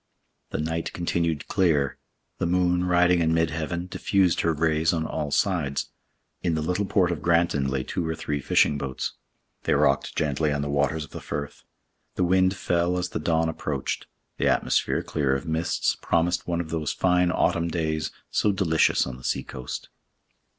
The night continued clear. The moon, riding in mid heaven, diffused her rays on all sides. In the little port of Granton lay two or three fishing boats; they rocked gently on the waters of the Firth. The wind fell as the dawn approached. The atmosphere, clear of mists, promised one of those fine autumn days so delicious on the sea coast.